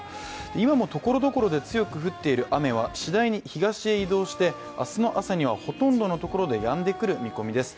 今もところどころで強く降っている雨は次第に東へ移動して明日の朝にはほとんどのところでやんでくる見込みです。